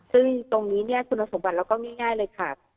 ซึ่งตรงนี้คุณสมบัติเราก็ง่ายเลยค่ะ